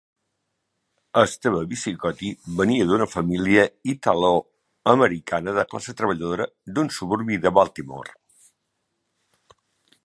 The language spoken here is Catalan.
Steve Bisciotti venia d'una família italoamericana de classe treballadora d'un suburbi de Baltimore.